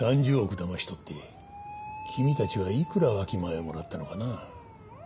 だまし取って君たちはいくら分け前をもらったのかな？